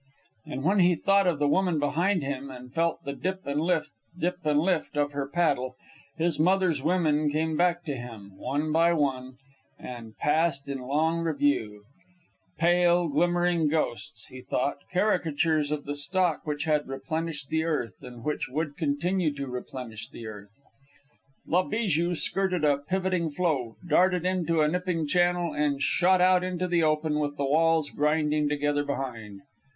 And when he thought of the woman behind him, and felt the dip and lift, dip and lift, of her paddle, his mother's women came back to him, one by one, and passed in long review, pale, glimmering ghosts, he thought, caricatures of the stock which had replenished the earth, and which would continue to replenish the earth. La Bijou skirted a pivoting floe, darted into a nipping channel, and shot out into the open with the walls grinding together behind.